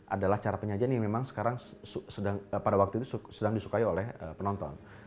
adalah cara penyajian yang memang sekarang pada waktu itu sedang disukai oleh penonton